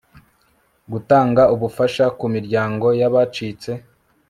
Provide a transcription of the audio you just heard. gutanga ubufasha ku miryango y abacitse